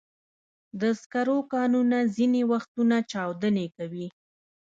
د سکرو کانونه ځینې وختونه چاودنې کوي.